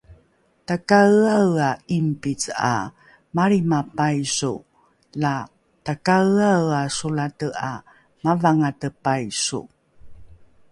takaeaea ’ingpice ’a malrima paiso la takaeaea solate ’a mavangate paiso